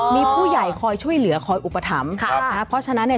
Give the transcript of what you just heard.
มีผู้ใหญ่คอยช่วยเหลือคอยอุปถัมภ์ครับนะฮะเพราะฉะนั้นเนี่ย